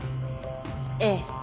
ええ。